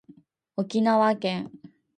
沖縄県